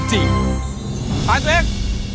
ขายเสียง